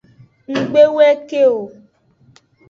Ngbe gbe we ke o.